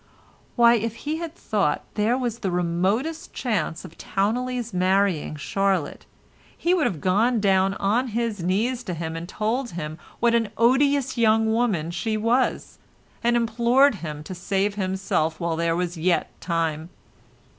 Why, if he had thought there was the remotest chance of Towneley's marrying Charlotte he would have gone down on his knees to him and told him what an odious young woman she was, and implored him to save himself while there was yet time.